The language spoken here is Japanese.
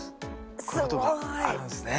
こういうことがあるんですね。